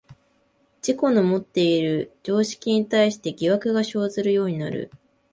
自己のもっている常識に対して疑惑が生ずるようになる。